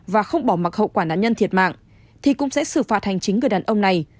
và không bỏ mặc hậu quả nạn nhân thiệt mạng thì cũng sẽ xử phạt hành chính người đàn ông này